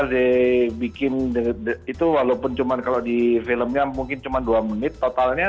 dibikin itu walaupun cuma kalau di filmnya mungkin cuma dua menit totalnya